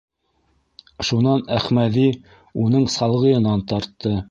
Шунан Әхмәҙи уның салғыйынан тартты.